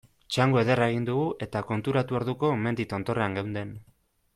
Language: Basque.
Txango ederra egin dugu eta konturatu orduko mendi tontorrean geunden.